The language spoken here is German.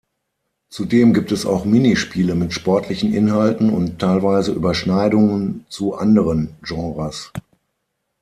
Zudem gibt es auch Minispiele mit sportlichen Inhalten und teilweise Überschneidungen zu anderen Genres.